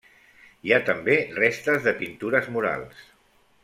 Hi ha també restes de pintures murals.